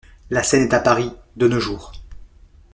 La scène est à Paris, de nos jours.